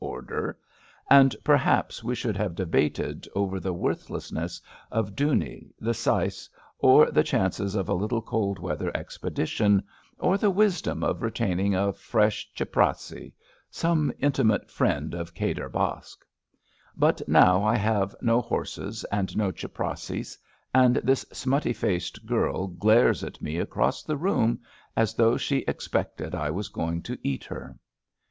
'* order, and per haps we should have debated over the worthless ness of Dunni, the sais, or the chances of a little cold weather expedition, or the wisdom of retain 284 ABAFT THE FUNNEL ing a fresh chaprassi — some intimate friend of Kadir Baksh. But now I have no horses and no chaprassis, and this smutty faced girl glares at me across the room as though she expected I was going to eat her.